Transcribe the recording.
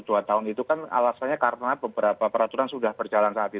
dua tahun itu kan alasannya karena beberapa peraturan sudah berjalan saat ini